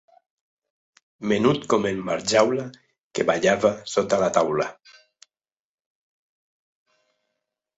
Menut com en Barjaula, que ballava sota la taula.